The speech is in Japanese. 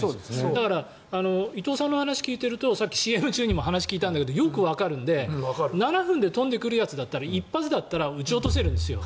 だから、伊藤さんのお話を聞いてるとさっきＣＭ中にも話を聞いたんだけどよくわかるんですけど７分で飛んでくるやつだったら１発だったら撃ち落とせるんですよ。